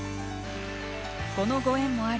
このご縁もあり